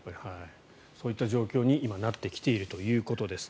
そういった状況に今、なってきているということです。